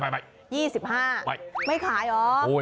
ไม่ขายหรอ